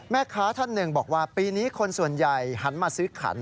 ท่านหนึ่งบอกว่าปีนี้คนส่วนใหญ่หันมาซื้อขัน